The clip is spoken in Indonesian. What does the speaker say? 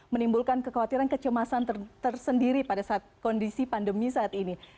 menimbulkan kekhawatiran kecemasan tersendiri pada saat kondisi pandemi saat ini